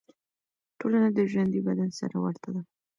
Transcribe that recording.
ټولنه د ژوندي بدن سره ورته ده.